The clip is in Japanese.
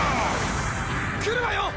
来るわよ！